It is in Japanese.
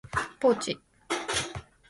ポーチ